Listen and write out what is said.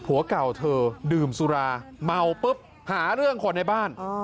ผัวเก่าเธอดื่มสุราเมาปุ๊บหาเรื่องคนในบ้าน